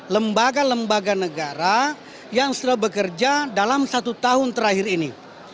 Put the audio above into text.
lembaga lembaga negara yang sudah bekerja dalam satu tahun terakhir ini